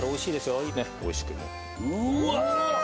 うわ！